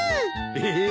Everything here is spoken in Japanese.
えっ。